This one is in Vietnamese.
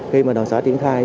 khi mà đoàn xã triển thai